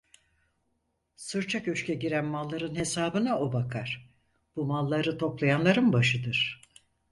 Sırça köşke giren malların hesabına o bakar; bu malları toplayanların başıdır.